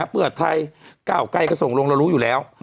เพื่อไทยก้าวไกลก็ส่งลงเรารู้อยู่แล้ว